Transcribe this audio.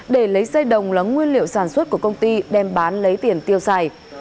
để lấy xây đồng lắng nguyên liệu sản xuất của công ty đem bán lấy tiền tiêu xài